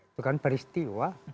itu kan peristiwa